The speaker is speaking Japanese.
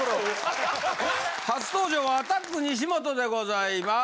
初登場はアタック西本でございます。